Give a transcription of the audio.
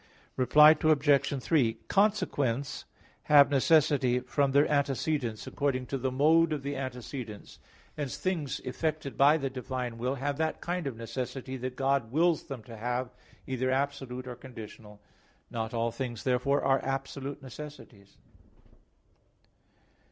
Reply Obj. 3: Consequents have necessity from their antecedents according to the mode of the antecedents. Hence things effected by the divine will have that kind of necessity that God wills them to have, either absolute or conditional. Not all things, therefore, are absolute necessities.